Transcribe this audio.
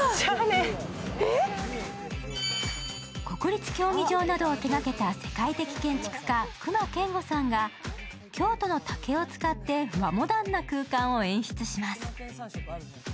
国立競技場などを手がけた世界的建築家・隈研吾さんが京都の竹を使って和モダンな空間を演出します。